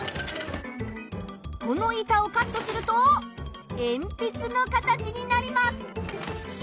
この板をカットするとえんぴつの形になります！